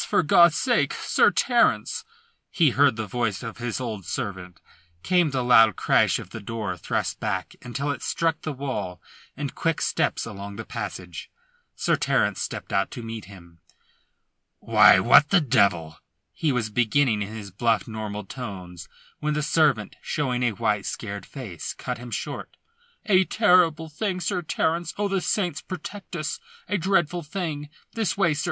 For God's sake, Sir Terence!" he heard the voice of his old servant. Came the loud crash of the door thrust back until it struck the wall and quick steps along the passage. Sir Terence stepped out to meet him. "Why, what the devil " he was beginning in his bluff, normal tones, when the servant, showing a white, scared face, cut him short. "A terrible thing, Sir Terence! Oh, the saints protect us, a dreadful thing! This way, sir!